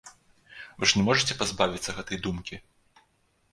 Вы ж не можаце пазбавіцца гэтай думкі?